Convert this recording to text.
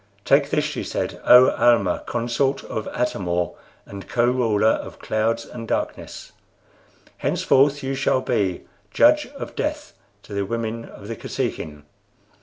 "Take this," she said, "O Almah, consort of Atam or, and Co ruler of Clouds and Darkness. Henceforth you shall be Judge of Death to the women of the Kosekin."